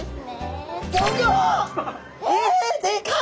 えっでかい！